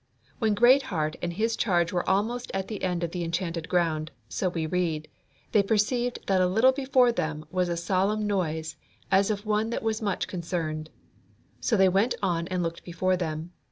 When Greatheart and his charge were almost at the end of the Enchanted Ground, so we read, they perceived that a little before them was a solemn noise as of one that was much concerned. So they went on and looked before them.